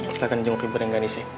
silahkan dijemukin berenggan isi